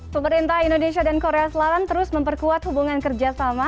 pemerintah indonesia dan korea selatan terus memperkuat hubungan kerjasama